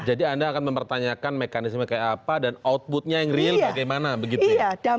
jadi anda akan mempertanyakan mekanisme kayak apa dan outputnya yang real bagaimana begitu ya